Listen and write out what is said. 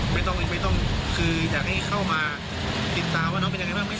ไม่ต้องคืออยากให้เข้ามาติดตามว่าน้องเป็นอย่างไรบ้าง